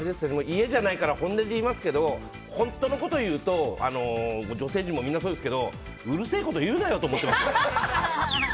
家じゃないから本音で言いますけど本当のことを言うと女性にも、みんなそうですけどうるせえこと言うなよって思ってますよ。